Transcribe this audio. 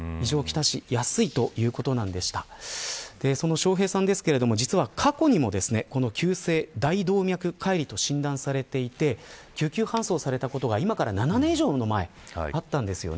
笑瓶さんですが、実は過去にも急性大動脈解離と診断されていて救急搬送されたことが７年以上前にありました。